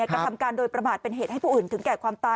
กระทำการโดยประมาทเป็นเหตุให้ผู้อื่นถึงแก่ความตาย